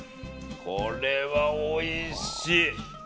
これはおいしい！